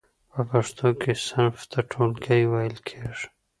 په پښتو کې صنف ته ټولګی ویل کیږی.